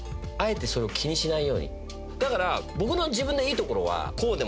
だから。